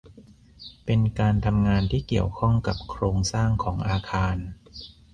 เป็นการทำงานที่เกี่ยวข้องกับโครงสร้างของอาคาร